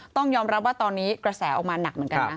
ต้องยอมรับว่าตอนนี้กระแสออกมาหนักเหมือนกันนะ